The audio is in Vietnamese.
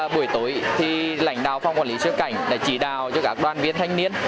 buổi tối lãnh đạo phòng quản lý xuất cảnh đã chỉ đào cho các đoàn viên thanh niên